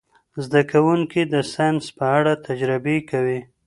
زده کوونکي د ساینس په اړه تجربې کوي.